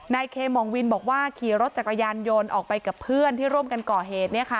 เคมองวินบอกว่าขี่รถจักรยานยนต์ออกไปกับเพื่อนที่ร่วมกันก่อเหตุ